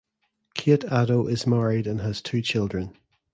Kate Addo is married and has two children.